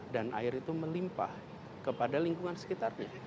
dan air itu melimpah kepada lingkungan sekitarnya